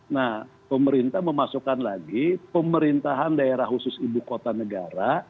nah pemerintah memasukkan lagi pemerintahan daerah khusus ibu kota negara